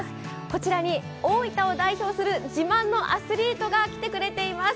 こちらに大分を代表する自慢のアスリートが来てくれています。